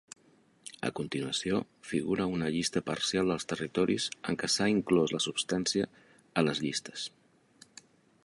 A continuació figura una llista parcial dels territoris en què s'ha inclòs la substància a les llistes.